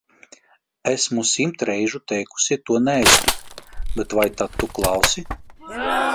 Esmu simt reižu teikusi to neaiztikt, bet vai tad tu klausi?